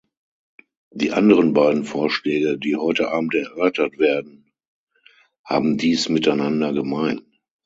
Die anderen beiden Vorschläge, die heute Abend erörtert werden, haben dies miteinander gemein.